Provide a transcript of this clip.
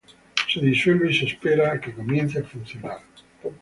Se disuelve y se espera a que comience a funcionar.